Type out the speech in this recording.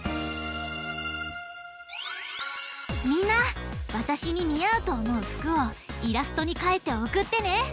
みんなわたしににあうとおもうふくをイラストにかいておくってね！